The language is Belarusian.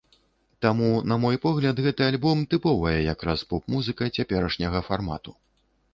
Таму, на мой погляд, гэты альбом тыповая як раз поп-музыка цяперашняга фармату.